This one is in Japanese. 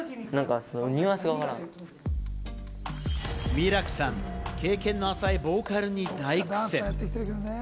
ミラクさん、経験の浅いボーカルに大苦戦。